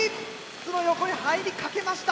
筒の横へ入りかけました。